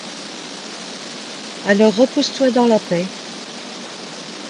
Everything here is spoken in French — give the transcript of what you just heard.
Alors repose-toi dans la paix.